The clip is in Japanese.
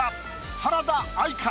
原田愛か？